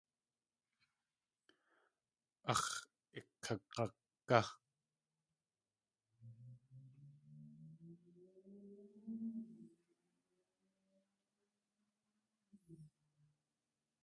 Áx̲ ikag̲agá!